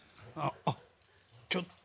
あっちょっと７５。